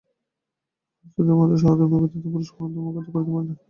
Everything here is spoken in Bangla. আর্যদের মতে সহধর্মিণী ব্যতীত পুরুষ কোন ধর্মকার্য করিতে পারে না।